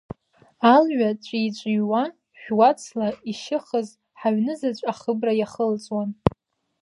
Алҩа ҵәии-ҵәиуа, жә-уацла ишьыхыз ҳаҩнызаҵә ахыбра иахылҵуан.